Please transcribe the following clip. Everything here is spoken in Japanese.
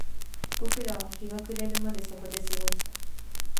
僕らは日が暮れるまでそこで過ごした